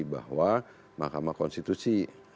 bahwa mahkamah konstitusi